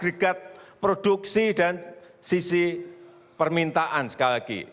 ekonomi makro itu agregat produksi dan sisi permintaan sekali lagi